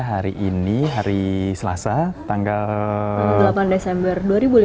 hari ini hari selasa tanggal delapan desember dua ribu lima belas